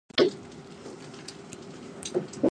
Jeremy Jaynes attended high school in Baton Rouge, Louisiana.